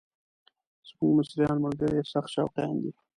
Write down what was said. زموږ مصریان ملګري یې سخت شوقیان دي.